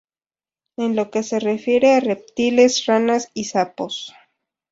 En lo que se refiere a reptiles: ranas y sapos.